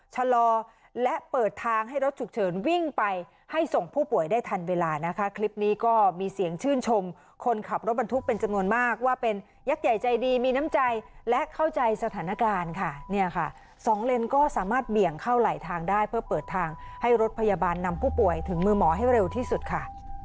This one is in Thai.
ชะลอและเปิดทางให้รถฉุกเฉินวิ่งไปให้ส่งผู้ป่วยได้ทันเวลานะคะคลิปนี้ก็มีเสียงชื่นชมคนขับรถบรรทุกเป็นจำนวนมากว่าเป็นยักษ์ใหญ่ใจดีมีน้ำใจและเข้าใจสถานการณ์ค่ะเนี่ยค่ะสองเลนก็สามารถเบี่ยงเข้าไหลทางได้เพื่อเปิดทางให้รถพยาบาลนำผู้ป่วยถึงมือหมอให้เร็วที่สุดค่ะ